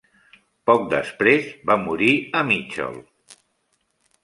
Poc després, va morir a Mitchell.